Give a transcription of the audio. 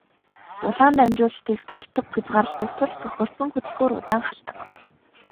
Дулаан дамжуулалтыг тортог хязгаарладаг тул бохирдсон хөдөлгүүр удаан халдаг.